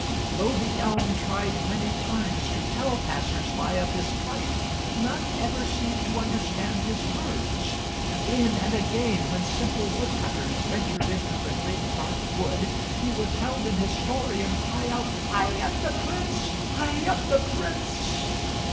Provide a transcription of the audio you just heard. Though the elm tried many times to tell passers by of his plight, none ever seemed to understand his words. Again and again, when simple wood cutters ventured into the great dark wood, he would tell them his story and cry out, "I am the Prince! I am the Prince!"